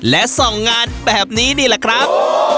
และส่องงานแบบนี้นี่แหละครับ